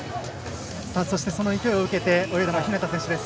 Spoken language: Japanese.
そしてその勢いを受けて泳いだのは日向選手です。